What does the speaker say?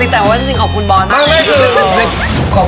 ตอบให้ก่อน